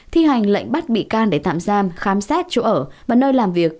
thi hành lệnh bắt bị can để tạm giam khám xét chỗ ở và nơi làm việc